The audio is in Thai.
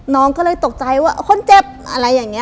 น้องก็เลยตกใจว่าคนเจ็บอะไรอย่างนี้